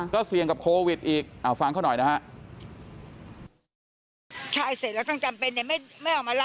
ก็เสี่ยงกับโควิดอีกฟังเขาหน่อยนะฮะ